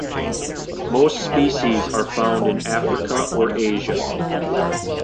Most species are found in Africa or Asia.